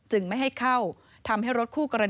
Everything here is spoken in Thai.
นี่เป็นคลิปวีดีโอจากคุณบอดี้บอยสว่างอร่อย